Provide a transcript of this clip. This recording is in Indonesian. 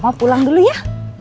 uma pulang dulu ya